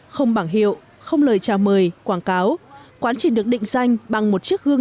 không bảng hiệu không lời chào mời quảng cáo quán chỉ được định danh bằng một chiếc gương